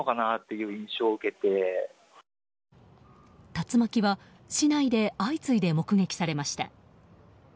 竜巻は市内で相次いで目撃されました。